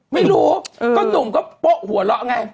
ไม่รู้ก็หนุ่มก็โป๊ะหัวเราะไง